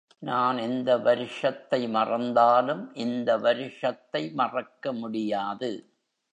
நான் எந்த வருஷத்தை மறந்தாலும் இந்த வருஷத்தை மறக்க முடியாது.